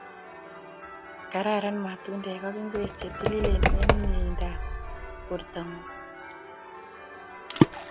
Kararan matundek ak ngwek che tililen eng miendap borto nung